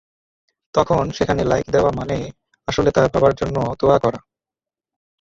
তখন সেখানে লাইক দেওয়া মানে আসলে তার বাবার জন্য দোয়া করা।